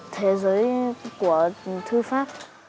thế giới của thư pháp